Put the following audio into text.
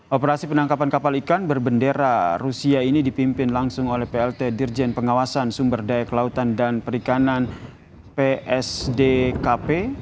operasi penangkapan kapal ikan berbendera rusia ini dipimpin langsung oleh plt dirjen pengawasan sumber daya kelautan dan perikanan psdkp